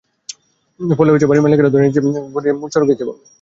ফলে বাড়ির মালিকেরা ধরেই নিয়েছেন পানি গড়িয়ে মূল সড়কে এসে পড়বে।